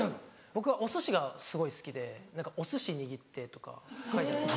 僕はお寿司がすごい好きで「お寿司握って」とか書いてある。